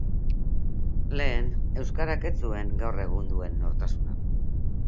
Lehen, euskarak ez zuen gaur egun duen nortasuna.